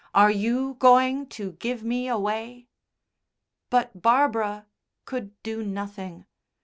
Are you going to give me away?" But Barbara could do nothing.